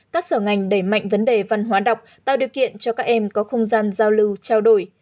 các sở ngành đẩy mạnh vấn đề văn hóa đọc tạo điều kiện cho các em có không gian giao lưu trao đổi